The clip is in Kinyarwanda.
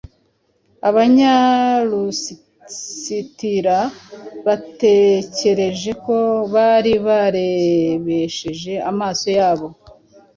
Abanyalusitira batekereje ko bari barebesheje amaso yabo